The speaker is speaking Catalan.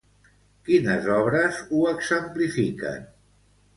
Quines obres ho exemplifiquen?